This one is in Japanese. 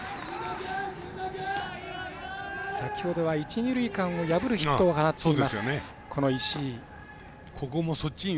先ほどは一、二塁間を破るヒットを放っています、石井。